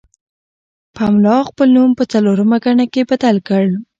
پملا خپل نوم په څلورمه ګڼه کې بدل کړ.